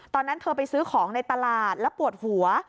ตอนนั้นเธอไปซื้อของในตลาดแล้วปวดหัว